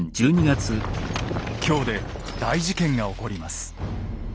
京で大事件が起こります。